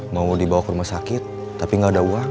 mau dibawa ke rumah sakit tapi nggak ada uang